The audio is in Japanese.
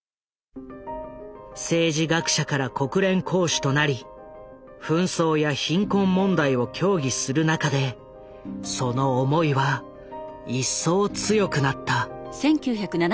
政治学者から国連公使となり紛争や貧困問題を協議する中でその思いは一層強くなった。